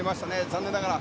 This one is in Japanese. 残念ながら。